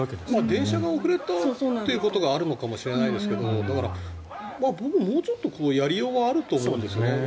電車が遅れたってことがあるかもしれないですがだから、僕ももうちょっとやりようがあると思うんですよね。